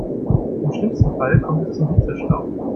Im schlimmsten Fall kommt es zum Hitzestau.